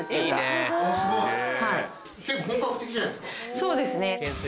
そうですね。